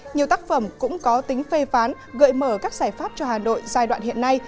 nhiều tác phẩm cũng có tính phê phán gợi mở các giải pháp cho hà nội giai đoạn hiện nay